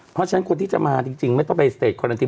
เพราะฉะนั้นคนที่จะมาจริงไม่ต้องไปสเตจคอลันที